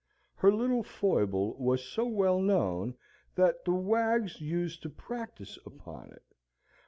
Her little foible was so well known that the wags used to practise upon it.